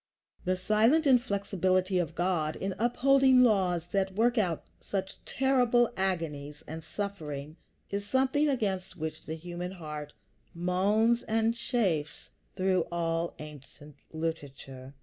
The silent inflexibility of God in upholding laws that work out such terrible agonies and suffering is something against which the human heart moans and chafes through all ancient literature.